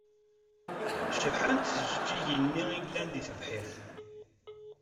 Cebḥent tjeǧǧigin-nni i yellan deg tebḥirt.